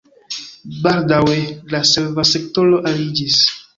Baldaŭe la serva sektoro aliĝis.